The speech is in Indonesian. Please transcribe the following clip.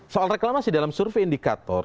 soal reklamasi dalam survei indikator